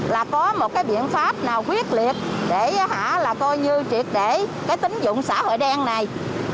là có một cái biện pháp nào quyết liệt để là coi như triệt để cái tính dụng xã hội đen này